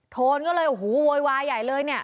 โทนก็เลยอาหารวรวายเลย